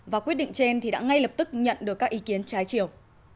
và quyết định trên thì đã ngay lập tức nhận được các ý kiến trái chiều